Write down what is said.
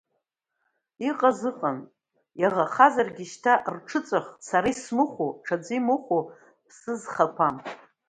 Иҟаз ыҟан, иаӷахазаргь шьҭа рҽыҵәах, сара исмыхәо, ҽаӡәы имыхәо ԥсы зхақәам.